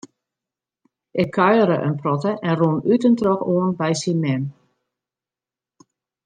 Ik kuiere in protte en rûn út en troch oan by syn mem.